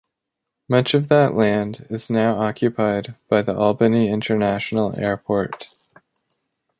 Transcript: Much of that land is now occupied by the Albany International Airport.